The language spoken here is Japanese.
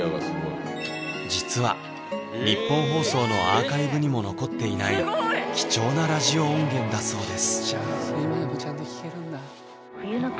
実は日本放送のアーカイブにも残っていない貴重なラジオ音源だそうです